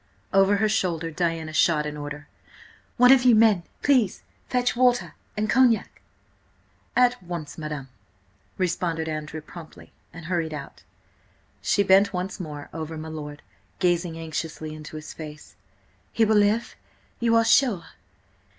Over her shoulder Diana shot an order: "One of you men, please fetch water and cognac!" "At once, madam!" responded Andrew promptly, and hurried out. She bent once more over my lord, gazing anxiously into his face. "He will live? You–are sure?